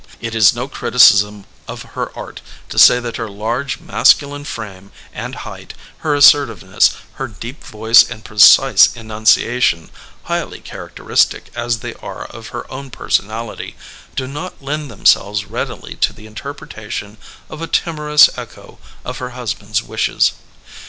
It is no criticism of her art to say that her large masculine frame and height, her assertiveness, her deep voice and precise enunciation, highly characteristic as they are of her own personality, do not lend themselves readily to the interpretation of a timorous echo of her hus band's wishes.